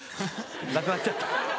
なくなっちゃった。